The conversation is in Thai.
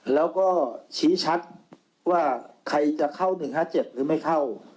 แล้วก็ชี้ชัดว่าใครจะเข้า๑๕๗หรือไม่เข้า